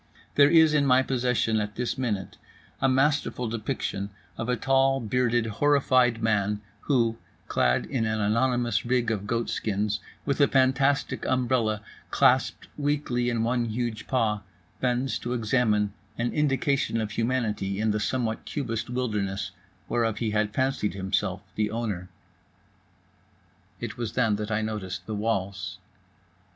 There is in my possession at this minute a masterful depiction of a tall, bearded, horrified man who, clad in an anonymous rig of goat skins, with a fantastic umbrella clasped weakly in one huge paw, bends to examine an indication of humanity in the somewhat cubist wilderness whereof he had fancied himself the owner…. It was then that I noticed the walls.